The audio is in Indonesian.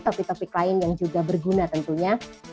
topik topik lain yang juga berguna tentunya